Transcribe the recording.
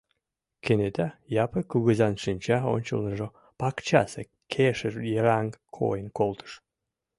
Кенета Япык кугызан шинча ончылныжо пакчасе кешыр йыраҥ койын колтыш.